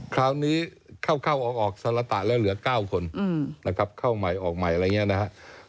คราวนี้เข้าออกสละตะแล้วเหลือ๙คนนะครับเข้าใหม่ออกใหม่อะไรอย่างนี้นะครับ